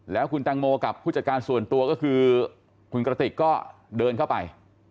แล้วคุณแตงโมกับผู้จัดการส่วนตัวก็คือคุณกระติกก็เดินเข้าไป